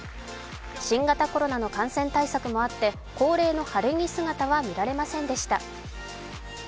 新型コロナの感染対策もあって、恒例の晴れ着姿は見られませんでした。